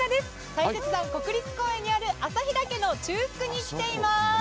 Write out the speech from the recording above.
大雪山国立公園にある旭岳の中腹に来ています。